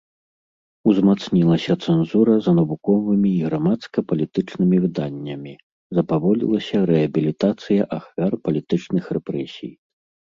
Узмацнілася цэнзура за навуковымі і грамадска-палітычнымі выданнямі, запаволілася рэабілітацыя ахвяр палітычных рэпрэсій.